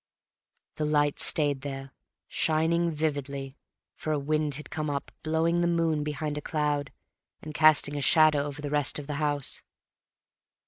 The light stayed there, shining vividly, for a wind had come up, blowing the moon behind a cloud, and casting a shadow over the rest of the house.